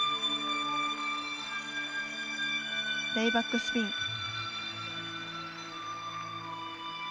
レイバックスピン。